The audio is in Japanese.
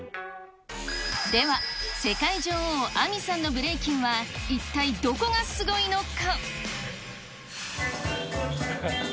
では、世界女王、Ａｍｉさんのブレイキンは、一体どこがすごいのか。